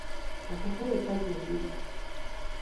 Akatale kazimbibwa.